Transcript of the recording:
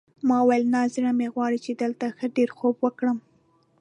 ما وویل نه زړه مې غواړي چې دلته ښه ډېر خوب وکړم.